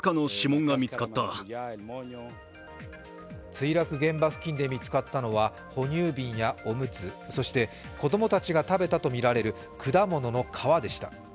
墜落現場付近で見つかったのは哺乳瓶やおむつ、そして子供たちが食べたとみられる果物の皮でした。